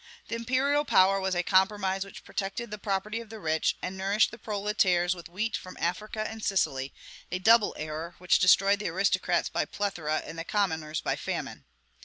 The imperial power was a compromise which protected the property of the rich, and nourished the proletaires with wheat from Africa and Sicily: a double error, which destroyed the aristocrats by plethora and the commoners by famine.